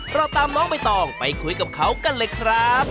เราตามน้องใบตองไปคุยกับเขากันเลยครับ